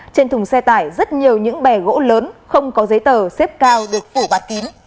trên thùng xe tải rất nhiều những bè gỗ lớn không có giấy tờ xếp cao được phủ bạt kín